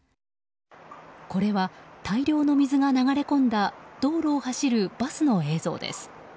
これは大量の水が流れ込んだ道路を走るバスの映像です。